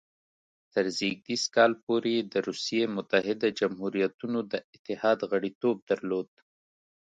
تر زېږدیز کال پورې یې د روسیې متحده جمهوریتونو د اتحاد غړیتوب درلود.